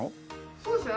そうですね。